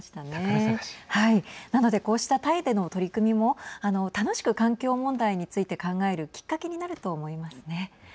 なのでこうしたタイでの取り組みも楽しく環境問題について考えるきっかけになると思いますね。